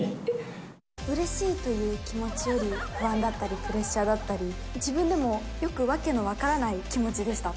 うれしいという気持ちより不安だったりプレッシャーだったり、自分でもよく訳の分からない気持ちでした。